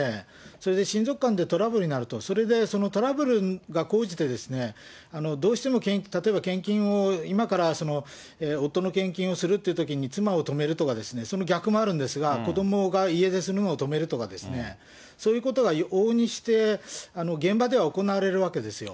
それで親族間でトラブルになると、それでそのトラブルが高じて、どうしても、献金を今から夫の献金をするというときに、妻を止めるとかですね、その逆もあるんですが、子どもが家出するのを止めるとかですね、そういうことが往々にして現場では行われるわけですよ。